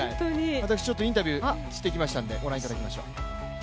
私ちょっとインタビューをしてきましたのでご覧いただきましょう。